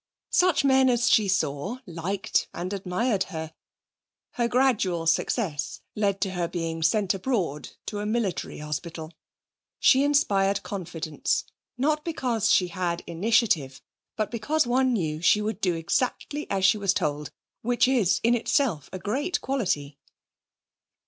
Such men as she saw liked and admired her. Her gradual success led her to being sent abroad to a military hospital. She inspired confidence, not because she had initiative, but because one knew she would do exactly as she was told, which is, in itself, a great quality.